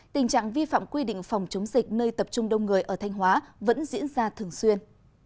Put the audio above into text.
tình trạng vi phạm quy định phòng chống dịch nơi tập trung đông người ở thanh hóa vẫn diễn ra thường xuyên